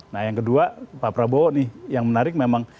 nah yang kedua pak prabowo nih yang menarik memang